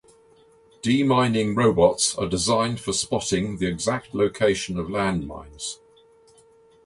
Demining robots are designed for spotting the exact location of land mines.